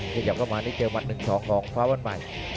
ขยับเข้ามานี่เจอมัด๑๒ของฟ้าวันใหม่